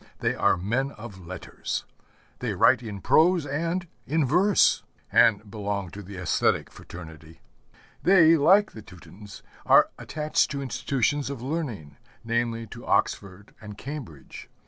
They are men of letters. They write in prose and in verse, and belong to the æsthetic fraternity. They, like the Teutons, are attached to institutions of learning, namely, to Oxford and Cambridge.